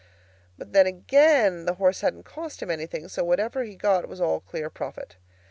But then, again, the horse hadn't cost him anything; so whatever he got was all clear profit.